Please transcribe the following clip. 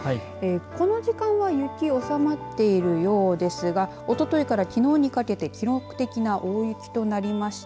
この時間は雪、おさまっているようですがおとといからきのうにかけて記録的な大雪となりました。